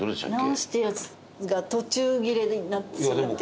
直したやつが途中切れになってしまって。